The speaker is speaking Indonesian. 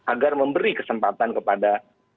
agar memberi kesempatan kepada